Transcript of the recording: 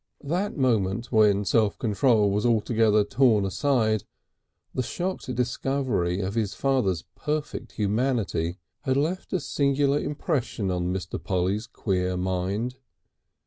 That moment when self control was altogether torn aside, the shocked discovery of his father's perfect humanity, had left a singular impression on Mr. Polly's queer mind.